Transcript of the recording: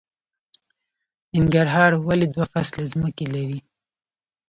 ننګرهار ولې دوه فصله ځمکې لري؟